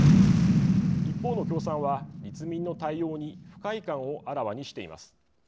一方の共産は立民の対応に不快感をあらわにしています。